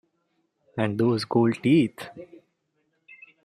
And those gold teeth!